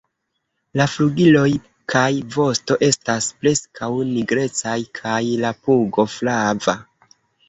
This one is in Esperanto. La flugiloj kaj vosto estas preskaŭ nigrecaj kaj la pugo flava.